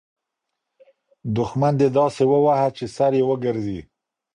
دښمن دې داسې ووهه چي سر یې وګرځي.